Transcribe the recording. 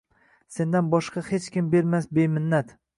Sendan boshqa hech kim bermas beminnat